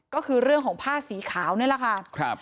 ก็คือเรื่องของผ้าสีขาวนี่แหละค่ะ